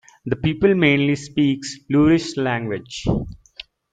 The people mainly speak Lurish language.